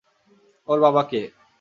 ওর বাবা কে?